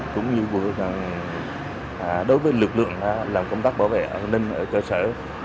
cũng như đối với lực lượng làm công tác bảo vệ ở cơ sở